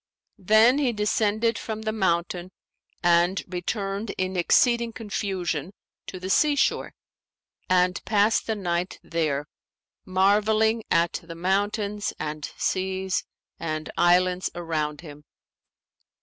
Then he descended from the mountain and returned in exceeding confusion to the sea shore and passed the night there, marvelling at the mountains and seas and islands around him.